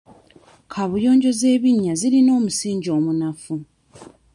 Kaabuyonjo z'ebinnya zirina omusingi omunafu.